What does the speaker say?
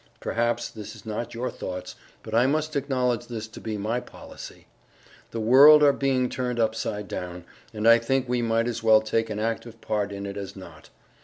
Perhaps this is not your thoughts, but I must acknowledge this to be my Polacy. The world are being turned upside down, and I think we might as well take an active part in it as not.